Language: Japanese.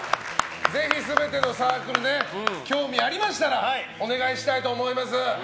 ぜひ全てのサークル興味ありましたらお願いしたいと思います。